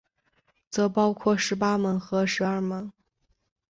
则包括十八门和十二门。